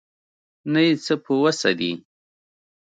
نه یې څه په وسه دي.